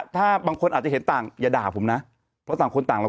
ถ้าบางคนอาจจะเห็นต่างอย่าด่าผมนะเพราะต่างคนต่างเรา